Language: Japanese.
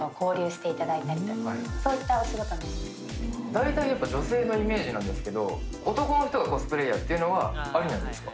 大体やっぱ女性のイメージなんですけど男の人がコスプレイヤーっていうのはありなんですか？